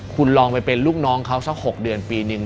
คุณลองไปเป็นลูกน้องเขาสัก๖เดือนปีนึง